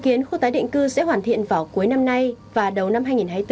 chúng tôi sẽ hoàn thiện vào cuối năm nay và đầu năm hai nghìn hai mươi bốn